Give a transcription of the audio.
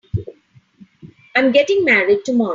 I'm getting married tomorrow.